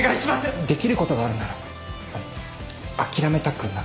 できることがあるなら諦めたくなくて